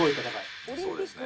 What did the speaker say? そうですね。